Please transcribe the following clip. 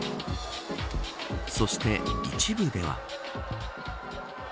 そして一部では。